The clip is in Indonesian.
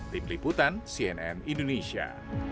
tim liputan cnn indonesia